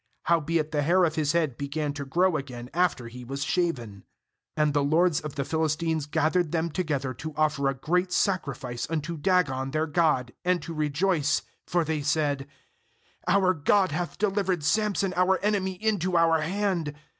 ^Howbeit the hair of his head began to grow again after he was shaven. ^And the lords of the Philistines gathered them together to offer a great sacrifice unto Dagon their god, and to re j oice ; for they said :' Our god hath delivered Samson our enemy into our hand.'